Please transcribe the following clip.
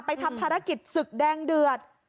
ทำภารกิจศึกแดงเดือด